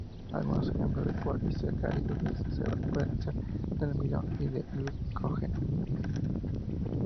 Algunos ejemplos de polisacáridos de reserva pueden ser: el almidón y el glucógeno.